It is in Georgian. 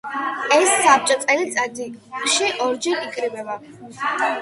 ეს საბჭო წელიწადში ორჯერ იკრიბება.